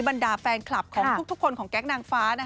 บรรดาแฟนคลับของทุกคนของแก๊งนางฟ้า